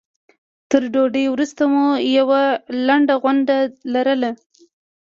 تر ډوډۍ وروسته مو یوه لنډه غونډه لرله.